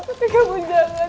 tapi kamu jangan